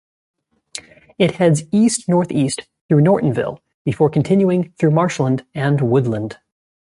It heads east-northeast through Nortonville before continuing through marshland and woodland.